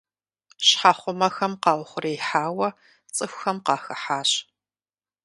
Щхьэхъумэхэм къаухъуреихьауэ цӏыхухэм къахыхьащ.